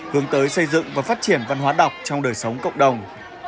hướng tới xây dựng và phát triển văn hóa đọc trong đời sống cộng đồng